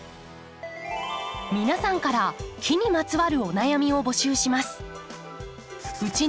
皆さんから木にまつわるお悩みを募集します。